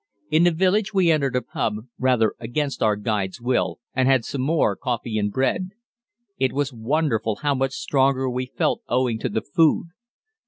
In the village we entered a pub, rather against our guide's will, and had some more coffee and bread. It was wonderful how much stronger we felt owing to the food.